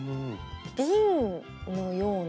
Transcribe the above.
瓶のような。